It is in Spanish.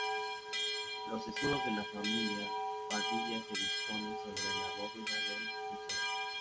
Los escudos de la familia Padilla se disponen sobre la bóveda del crucero.